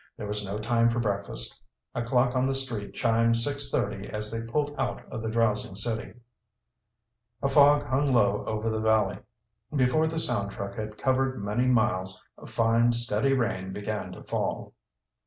There was no time for breakfast. A clock on the street chimed six thirty as they pulled out of the drowsing city. A fog hung low over the valley. Before the sound truck had covered many miles a fine, steady rain began to fall.